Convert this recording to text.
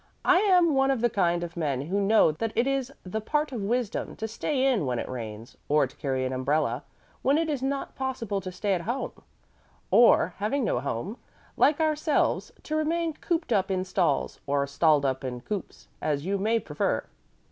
I am one of the kind of men who know that it is the part of wisdom to stay in when it rains, or to carry an umbrella when it is not possible to stay at home, or, having no home, like ourselves, to remain cooped up in stalls, or stalled up in coops, as you may prefer."